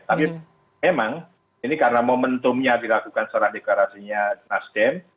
tapi memang ini karena momentumnya dilakukan secara dekorasinya nasdem